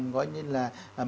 gọi như là